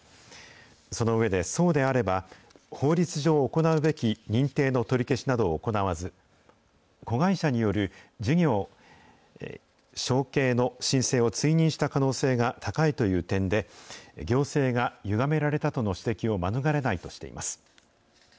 その上で、そうであれば、法律上、行うべき認定の取り消しなどを行わず、子会社による事業承継の申請を追認した可能性が高いという点で、行政がゆがめられたとの指摘を免れないとしています。